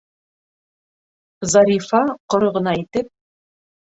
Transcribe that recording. Зарифа, ҡоро ғына итеп: